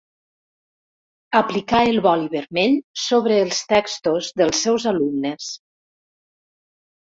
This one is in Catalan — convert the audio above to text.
Aplicà el boli vermell sobre els textos dels seus alumnes.